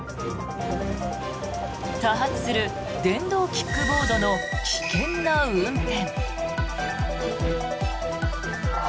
多発する電動キックボードの危険な運転。